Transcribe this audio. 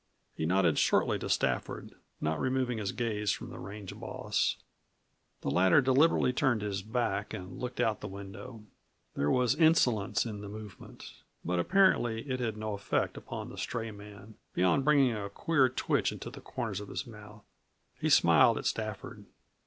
He nodded shortly to Stafford, not removing his gaze from the range boss. The latter deliberately turned his back and looked out of the window. There was insolence in the movement, but apparently it had no effect upon the stray man, beyond bringing a queer twitch into the corners of his mouth. He smiled at Stafford.